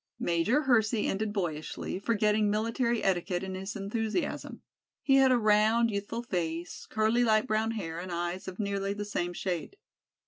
Major Hersey ended boyishly, forgetting military etiquette in his enthusiasm. He had a round, youthful face, curly light brown hair and eyes of nearly the same shade.